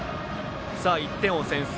１点を先制。